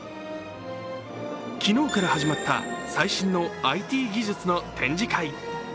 昨日から始まった最新のＩＴ技術の展示会。